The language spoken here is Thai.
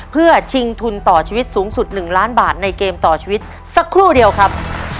เพื่อชิงทุนต่อชีวิตสูงสุด๑ล้านบาทในเกมต่อชีวิตสักครู่เดียวครับ